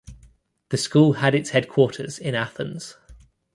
The school had its headquarters in Athens.